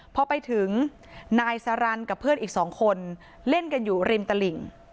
พอไปถึงนายสารันกับเพื่อนอีกสองคนเล่นกันอยู่ริมตลิ่ง